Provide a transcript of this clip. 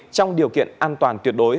trong điều kiện an toàn tuyệt đối